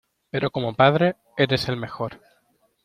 pero como padre eres el mejor.